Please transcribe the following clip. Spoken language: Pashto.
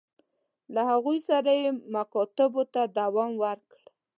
له هغوی سره یې مکاتبو ته دوام ورکړ.